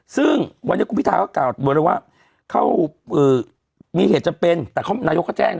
ซึ่งวันนี้คุณพิทาเขากล่าวว่าเขาอืมมีเหตุจำเป็นแต่เขานายกก็แจ้งนะ